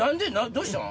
どうしたん？